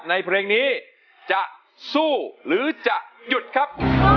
ในเพลงนี้จะสู้หรือจะหยุดครับ